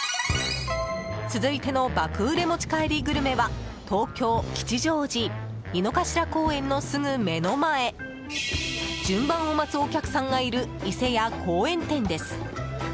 続いての爆売れ持ち帰りグルメは東京・吉祥寺井の頭公園のすぐ目の前順番を待つお客さんがいるいせや公園店です。